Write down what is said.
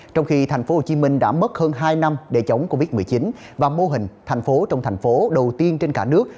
trong khi tp hcm đã mất hơn hai năm để chống covid một mươi chín và mô hình thành phố trong thành phố đầu tiên trên cả nước